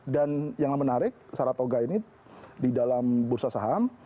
dan yang menarik saratoga ini di dalam bursa saham